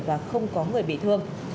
và không có người bị thương